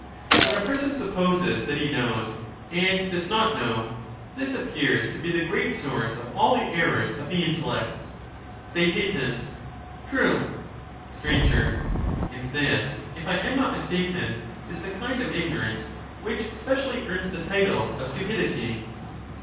When a person supposes that he knows, and does not know ; this appears to be the great source of all the errors of the intellect. Theaet. True. Str. And this, if I am not mistaken, is the kind of ig norance which specially earns the title of stupidity.